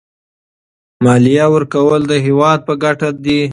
مالیه ورکول د هېواد په ګټه دي.